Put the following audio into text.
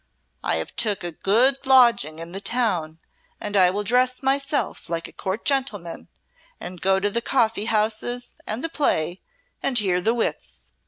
I have took a good lodging in the town, and I will dress myself like a Court gentleman and go to the coffee houses and the play, and hear the wits.